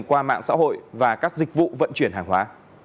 qua mạng xã hội và các dịch vụ vận chuyển hàng hóa